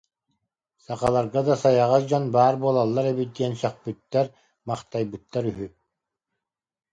Сахаларга да сайаҕас дьон баар буолаллар эбит диэн сөхпүттэр-махтайбыттар үһү